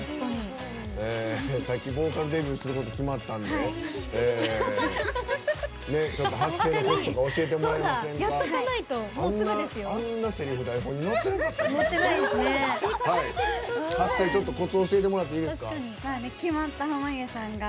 さっきボーカルデビューすること決まったんでちょっと発声のコツとか教えてもらえませんか？